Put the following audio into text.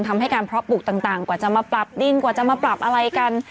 ทำให้การเพาะปลูกต่างกว่าจะมาปรับดินกว่าจะมาปรับอะไรกัน